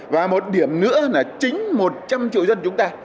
và một điểm nữa là chính một trăm linh triệu dân chúng ta